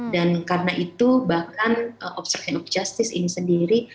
dan karena itu bahkan obstruction of justice ini sendiri